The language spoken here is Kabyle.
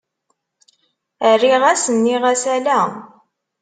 Rriɣ-as, nniɣ-as ala.